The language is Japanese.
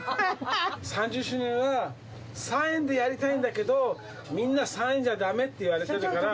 ３０周年は、３円でやりたいんだけど、みんな３円じゃだめって言われてるから。